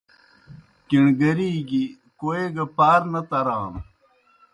کِݨ گری گیْ کوئے گہ پار نہ ترانوْ۔